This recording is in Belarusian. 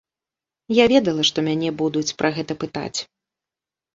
Я ведала, што мяне будуць пра гэта пытаць.